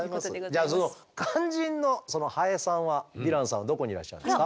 じゃあその肝心のハエさんはヴィランさんはどこにいらっしゃるんですか？